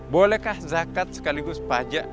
bolehkah zakat sekaligus pajak